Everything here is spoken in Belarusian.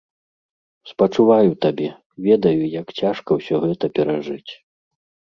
Спачуваю табе, ведаю, як цяжка ўсё гэта перажыць.